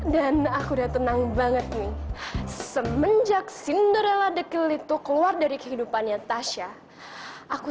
dan aku udah tenang banget nih semenjak cinderella the kill itu keluar dari kehidupannya tasya aku